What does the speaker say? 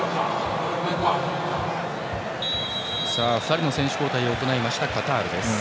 ２人の選手交代を行ったカタールです。